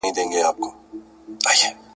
خدای دي ووهه پر ما به توره شپه کړې ..